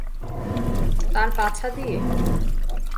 তার পাছা দিয়ে?